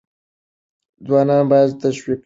ځوانان باید تشویق شي.